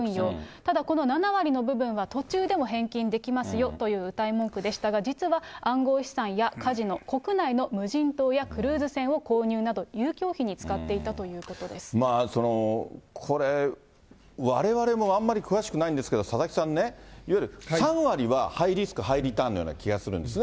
ただ、この７割の部分は途中でも返金できますよといううたい文句でしたが、実は暗号資産やカジノ、国内の無人島やクルーズ船を購入など、遊興費に使っていたというこれ、われわれもあんまり詳しくないんですけど、佐々木さん、いわゆる３割はハイリスクハイリターンのような気がするんですね。